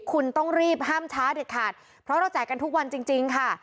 คุณต้องรีบห้ามช้าเด็ดขาดเพราะเราแจกกันทุกวันจริงค่ะ